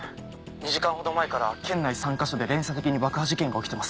２時間ほど前から県内３か所で連鎖的に爆破事件が起きてます。